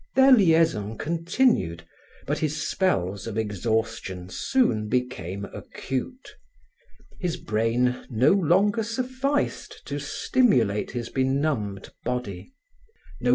Their liaison continued, but his spells of exhaustion soon became acute. His brain no longer sufficed to stimulate his benumbed body.